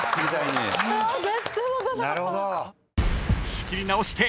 ［仕切り直して］